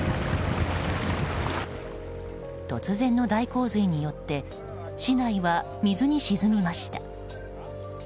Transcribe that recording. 突然の大洪水によって市内は水に沈みました。